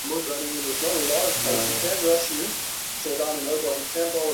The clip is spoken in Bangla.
মা, আপনি তাকে কোথাও দেখেছন?